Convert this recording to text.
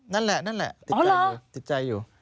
นั่นแหละนั่นแหละติดใจอยู่